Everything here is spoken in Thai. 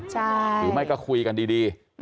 หรือไม่ก็คุยกันดี